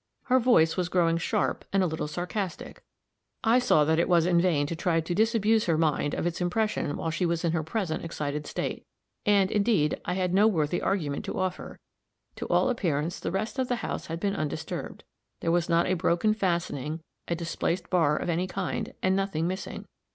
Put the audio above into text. Her voice was growing sharp and a little sarcastic. I saw that it was in vain to try to disabuse her mind of its impression while she was in her present excited state. And, indeed, I had no worthy argument to offer. To all appearance the rest of the house had been undisturbed; there was not a broken fastening, a displaced bar of any kind, and nothing missing.